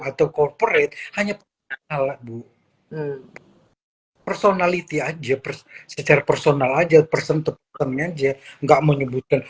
atau corporate hanya ala bu personality aja setera personal aja persentupan aja enggak menyebutkan